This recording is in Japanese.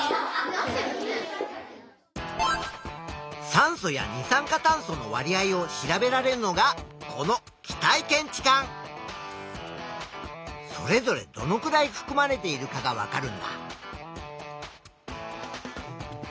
酸素や二酸化炭素のわり合を調べられるのがこのそれぞれどのくらいふくまれているかがわかるんだ。